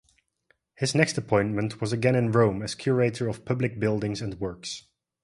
His next appointment was again in Rome as Curator of public buildings and works.